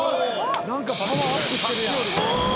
「なんかパワーアップしてるやん」